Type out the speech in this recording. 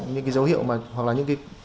những cái dấu hiệu hoặc là những cái